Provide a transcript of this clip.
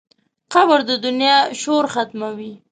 قبر د دنیا شور ختموي.